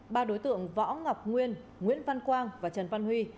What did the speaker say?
ba đối tượng võ ngọc nguyên nguyễn văn quang và trần văn huy